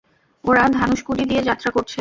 ওরা ধানুষকুডি দিয়ে যাত্রা করছে।